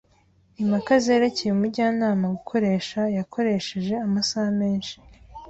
Impaka zerekeye umujyanama gukoresha yakoresheje amasaha menshi.